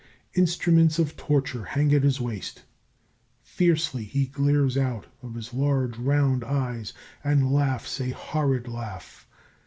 Instruments of torture hang at his waist, fiercely he glares out of his large round eyes and laughs a horrid laugh.